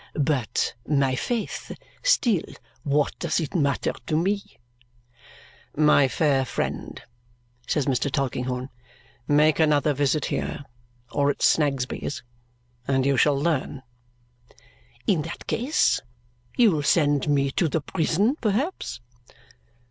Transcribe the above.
But my faith! still what does it matter to me?" "My fair friend," says Mr. Tulkinghorn, "make another visit here, or at Mr. Snagsby's, and you shall learn." "In that case you will send me to the prison, perhaps?"